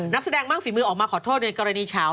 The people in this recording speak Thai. นักแสดงมากฝีมือออกมาขอโทษในกรณีเฉา